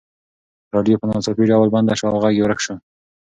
راډیو په ناڅاپي ډول بنده شوه او غږ یې ورک شو.